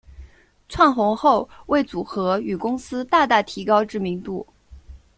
窜红后为组合与公司大大提高知名度。